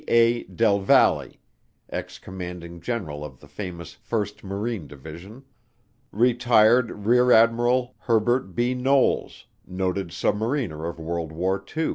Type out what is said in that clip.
A. del Valle, ex commanding general of the famous First Marine Division. Retired Rear Admiral Herbert B. Knowles, noted submariner of World War II.